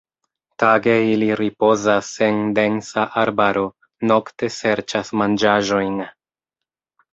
Tage ili ripozas en densa arbaro, nokte serĉas manĝaĵojn.